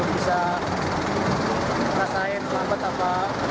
bisa rasain selamat apa